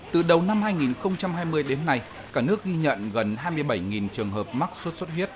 từ đầu năm hai nghìn hai mươi đến nay cả nước ghi nhận gần hai mươi bảy trường hợp mắc sốt xuất huyết